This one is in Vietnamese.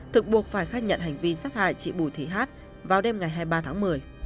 thực buộc phải khai nhận hành vi sát hại chị bùi thị hát vào đêm ngày hai mươi ba tháng một mươi